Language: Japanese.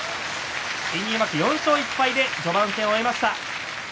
新入幕４勝１敗で序盤戦終わりました。